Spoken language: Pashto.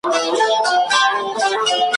زه به هم درسره ځمه !.